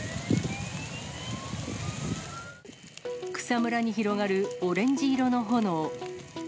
草むらに広がるオレンジ色の炎。